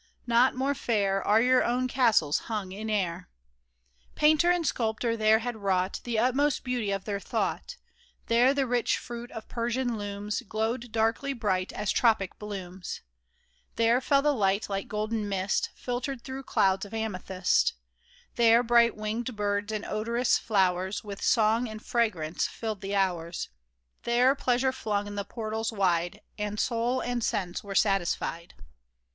Not more fair Are your own castles hung in air ! Painter and sculptor there had wrought The utmost beauty of their thought ; There the rich fruit of Persian looms Glowed darkly bright as tropic blooms ; KING IVAN'S OATH 193 There fell the light like golden mist, Filtered through clouds of amethyst ; There bright winged birds and odorous flowers With song and fragrance filled the hours ; There Pleasure flung the portals wide, And soul and sense were satisfied